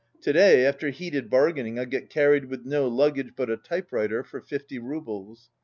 To day, after heated bargaining, I got carried with no luggage but a typewriter for fifty roubles.